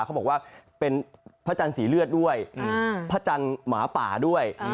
เขาบอกว่าเป็นพระจันทร์สีเลือดด้วยพระจันทร์หมาป่าด้วย